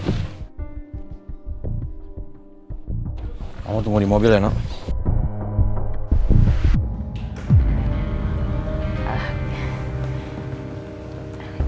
kamu tunggu di mobil ya nok